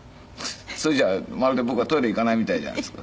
それじゃあまるで僕がトイレ行かないみたいじゃないですか。